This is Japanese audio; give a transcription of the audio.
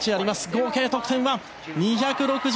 合計得点は２６４．０５。